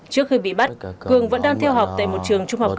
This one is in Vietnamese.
trước khi bị bắt cường vẫn đang theo học tại một trường trung học cơ sở